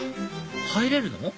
入れるの？